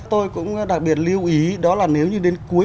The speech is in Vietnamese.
tôi cũng đặc biệt lưu ý đó là nếu như đến cuối